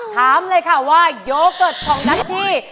ถามเลยค่ะว่าโยเกิร์ตของดัชชี่